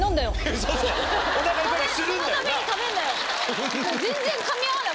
そのために食べるんだよ。